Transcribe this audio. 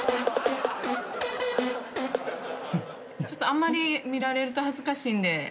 ちょっとあんまり見られると恥ずかしいんで。